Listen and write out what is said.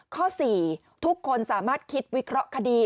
ข้อ๔ทุกคนสามารถคิดวิเคราะห์คดี